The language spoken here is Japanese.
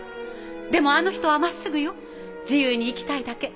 でもあの人は真っすぐよ自由に生きたいだけ。